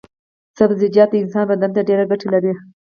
سبزيجات د انسان بدن ته ډېرې ګټې لري.